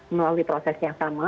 melalui proses yang sama